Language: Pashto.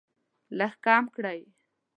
لږ کم کړئ